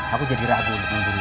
aku jadi ragu untuk mengunjungi